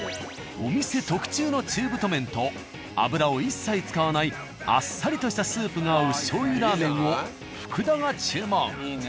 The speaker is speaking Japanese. お店特注の中太麺と脂を一切使わないあっさりとしたスープが合う醤油ラーメンを福田が注文。